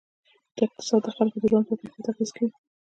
اقتصاد د خلکو د ژوند پر کیفیت اغېز کوي.